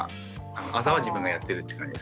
朝は自分がやってるって感じですね。